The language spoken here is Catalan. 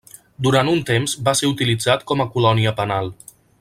Durant un temps va ser utilitzat com a colònia penal.